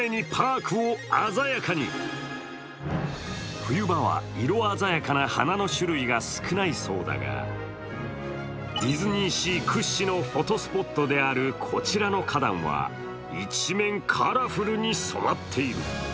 冬場は色鮮やかな花の種類が少ないそうだが、ディズニーシー屈指のフォトスポットであるこちらの花壇は一面カラフルに育っている。